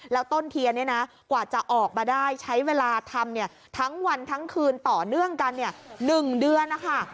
แล้วต้นเทียนเนี่ยนะกว่าจะออกมาได้ใช้เวลาทำทั้งวันทั้งคืนต่อเนื่องกัน๑เดือนนะคะ